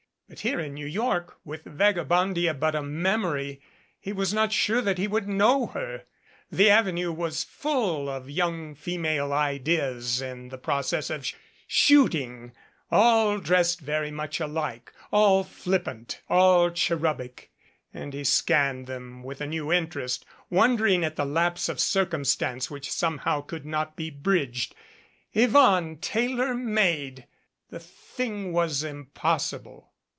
But here in New York, with Vagabondia but a memory, he was not sure that he would know her. The Avenue was full of young female ideas in the process of shooting, all dressed very much alike, all flippant, all cherubic, and he scanned them with a new interest, wondering at the lapse of circumstance which somehow could not be bridged. Yvonne tailor made! The thing was impossible.